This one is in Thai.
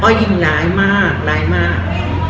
ยิ่งร้ายมากร้ายมาก